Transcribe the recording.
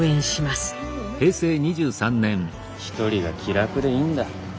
一人が気楽でいいんだ。